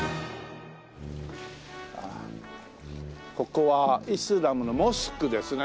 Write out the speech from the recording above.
ここはイスラムのモスクですね。